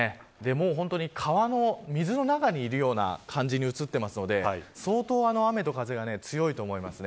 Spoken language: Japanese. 川の、水の中にいるような感じに映っていますので相当、雨と風が強いと思います。